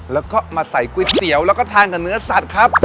แล้วก็มาใส่ก๋วยเตี๋ยวแล้วก็ทานกับเนื้อสัตว์ครับ